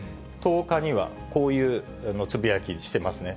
１０日にはこういうつぶやきしてますね。